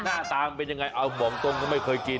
หน้าตามันเป็นยังไงเอาบอกตรงก็ไม่เคยกิน